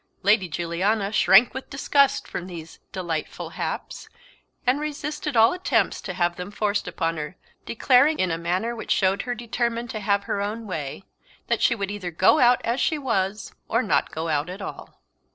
Lady Juliana shrank with disgust from these "delightful haps," and resisted all attempts to have them forced upon her, declaring, in a manner which showed her determined to have her own way, that she would either go out as she was or not go out at all.